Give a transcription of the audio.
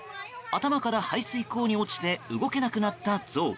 頭から排水溝に落ちて動けなくなったゾウ。